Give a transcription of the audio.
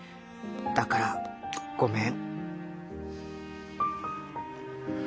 だからごめん」。